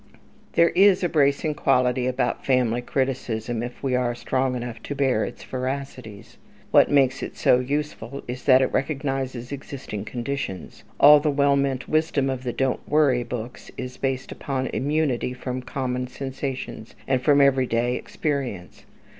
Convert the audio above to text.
There is a bracing quality about family criticism, if we are strong enough to bear its veracities. What makes it so useful is that it recognizes existing conditions. All the well meant wisdom of the "Don't Worry" books is based upon immunity from common sensations and from everyday experience.